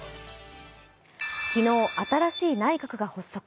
昨日、新しい内閣が発足。